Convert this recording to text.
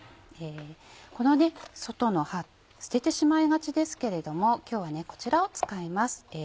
この外の葉捨ててしまいがちですけれども今日はこちらを使います。